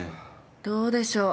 どうでしょう。